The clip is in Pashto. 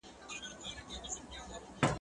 کاڼی به پوست نه سي، دښمن به دوست نه سي.